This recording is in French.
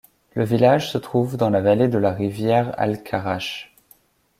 Le village se trouve dans la vallée de la rivière Alcarrache.